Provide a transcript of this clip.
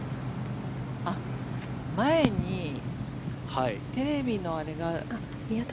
前にテレビのあれが。